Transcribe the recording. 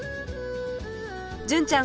純ちゃん